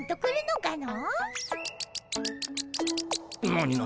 何何？